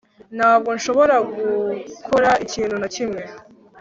Ntabwo nshobora gukora ikintu na kimwe